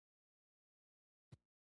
زما د ماتو حوصلو تجدید به څوک وکړي.